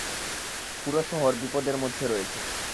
পুরো শহর বিপদের মধ্যে রয়েছে।